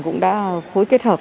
cũng đã phối kết hợp